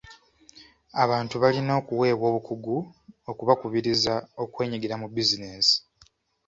Abantu balina okuweebwa obukugu okubakubiriza okwenyigira mu bizinensi.